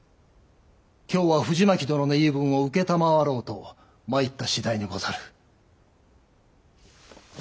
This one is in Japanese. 今日は藤巻殿の言い分を承ろうと参ったしだいにござる。